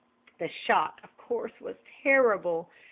"The shock, of course, was terrible.